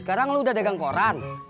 sekarang lo udah dagang koran